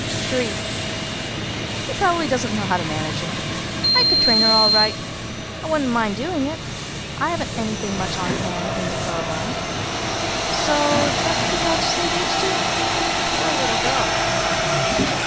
III. "He probably doesn't know how to manage her. I could train her all right. I wouldn't mind doing it; I haven't anything much on hand in the girl line. So that's the cad she's engaged to? Poor little girl!